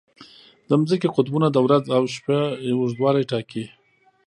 د ځمکې قطبونه د ورځ او شپه اوږدوالی ټاکي.